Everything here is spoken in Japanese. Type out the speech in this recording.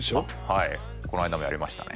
はいこの間もやりましたね